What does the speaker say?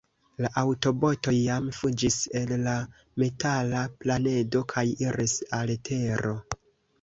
La aŭtobotoj jam fuĝis el la metala planedo kaj iris al Tero.